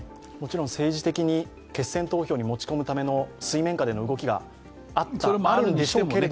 政治的に決選投票に持ち込むための水面下の動きがあるんでしょうけれども。